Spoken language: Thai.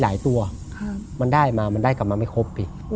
ตัวมันได้มามันได้กลับมาไม่ครบสิ